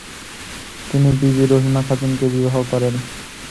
তিনি বিবি রহিমা খাতুনকে বিবাহ করেন।